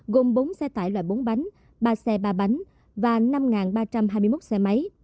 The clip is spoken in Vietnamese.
gồm bốn xe tải loại bốn bánh ba xe ba bánh và năm ba trăm hai mươi một xe máy